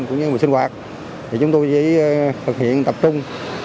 cũng như người sinh hoạt chúng tôi chỉ thực hiện tập trung